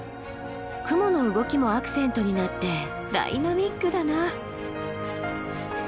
雲の動きもアクセントになってダイナミックだな。